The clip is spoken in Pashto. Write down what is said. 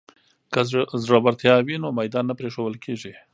که زړورتیا وي نو میدان نه پریښودل کیږي.